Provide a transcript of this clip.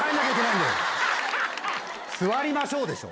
座りましょう！でしょ。